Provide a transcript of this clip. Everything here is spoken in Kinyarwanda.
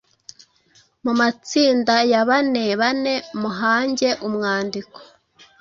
Mu matsinda ya banebane muhange umwandiko,